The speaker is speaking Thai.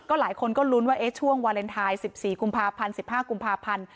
หลายคนก็ลุ้นว่าช่วงวาเลนไทย๑๔กุมภาพันธ์๑๕กุมภาพันธ์